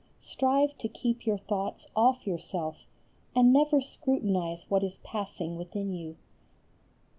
Strive to keep your thoughts off yourself, and never scrutinize what is passing within you.